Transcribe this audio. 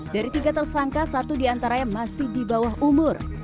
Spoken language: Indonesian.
dari tiga tersangka satu di antara yang masih di bawah umur